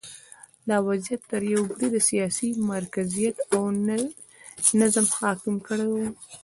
دا وضعیت تر یوه بریده سیاسي مرکزیت او نظم حاکم کړی و